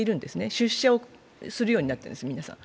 出社をするようになっているんです、皆さん。